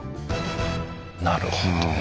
なるほどね。